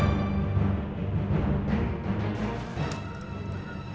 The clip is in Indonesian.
apa yang kita lakukan